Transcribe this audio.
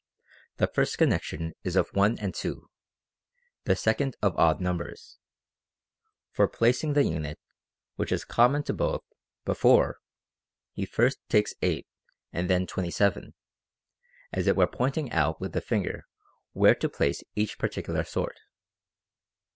The first connection is of one and two ; the second of odd numbers. ... For placing the unit, which is common to both, before, he first takes eight and then twenty seven, as it were pointing out with the finger where to place each particular sort.